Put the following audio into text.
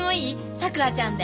さくらちゃんで！